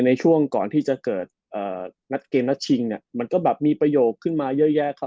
ในช่วงก่อนที่จะเกิดนัดเกมนัดชิงเนี่ยมันก็แบบมีประโยคขึ้นมาเยอะแยะครับ